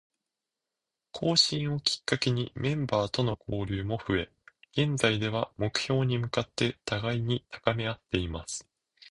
更新をきっかけにメンバーとの交流も増え、現在では、目標に向かって互いに高めあっています。